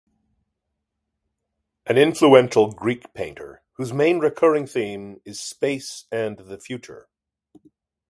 An influential Greek painter whose main recurring theme is space and the future.